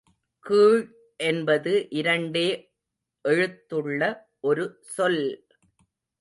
கீழ் என்பது இரண்டே எழுத்துள்ள ஒரு சொல்!